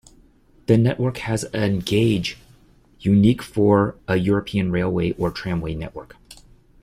The network has an gauge, unique for a European railway or tramway network.